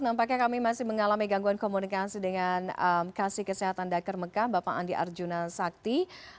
nampaknya kami masih mengalami gangguan komunikasi dengan kasih kesehatan daker mekah bapak andi arjuna sakti